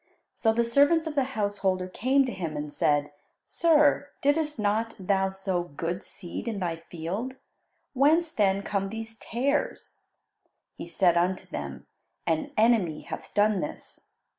So the servants of the householder came to him and said, "Sir, didst not thou sow good seed in thy field? Whence then come these tares?" He said unto them, "An enemy hath done this."